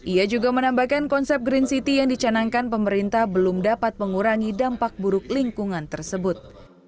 ia juga menambahkan konsep green city yang dicanangkan pemerintah belum dapat mengurangi dampak buruk lingkungan tersebut